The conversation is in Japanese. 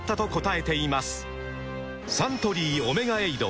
サントリー「オメガエイド」